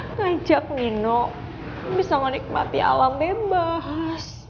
mengajak nino bisa menikmati alam bebas